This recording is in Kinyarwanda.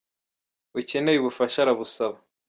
Ukeneye ubufasha arabusaba.